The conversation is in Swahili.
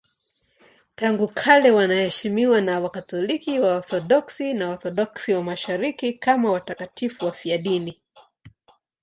Tangu kale wanaheshimiwa na Wakatoliki, Waorthodoksi na Waorthodoksi wa Mashariki kama watakatifu wafiadini.